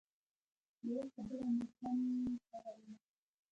يوه خبره مو هم سره ونه کړه.